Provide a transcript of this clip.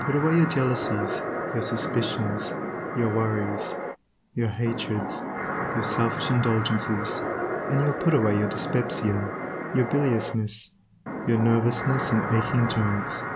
Put away your jealousies, your suspicions, your worries, your hatreds, your selfish indulgences, and you will put away your dyspepsia, your biliousness, your nervousness and aching joints.